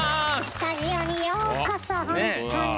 スタジオにようこそほんとに！